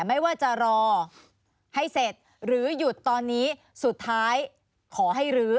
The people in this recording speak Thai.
ไม่ว่าจะรอให้เสร็จหรือหยุดตอนนี้สุดท้ายขอให้รื้อ